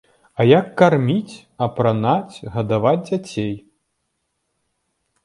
А як карміць, апранаць, гадаваць дзяцей?